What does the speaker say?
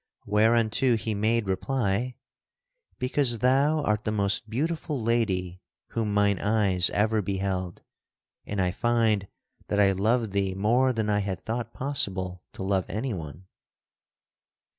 Whereunto he made reply: "Because thou art the most beautiful lady whom mine eyes ever beheld and I find that I love thee more than I had thought possible to love anyone."